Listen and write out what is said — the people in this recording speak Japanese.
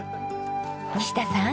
西田さん。